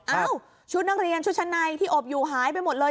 ชุดนักเรียนชุดชั้นในที่อบอยู่หายไปหมดเลย